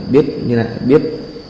biết như thế này biết